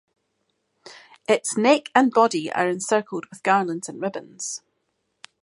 Its neck and body are encircled with garlands and ribbons.